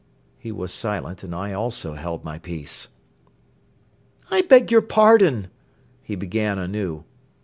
..." He was silent and I also held my peace. "I beg your pardon!" he began anew.